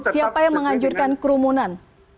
siapa yang menganjurkan kerumunan